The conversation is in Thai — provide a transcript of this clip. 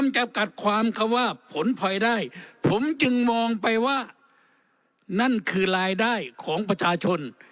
จึงมองไปว่านั่นคือรายได้ของประชาชน